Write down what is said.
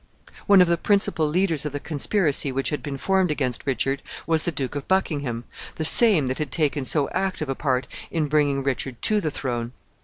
One of the principal leaders of the conspiracy which had been formed against Richard was the Duke of Buckingham the same that had taken so active a part in bringing Richard to the throne.